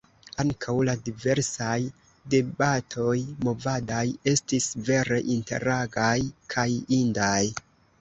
Ankaŭ la diversaj debatoj movadaj estis vere interagaj kaj indaj.